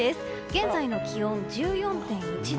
現在の気温、１４．１度。